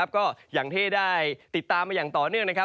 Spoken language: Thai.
ก็อย่างที่ได้ติดตามมาอย่างต่อเนื่องนะครับ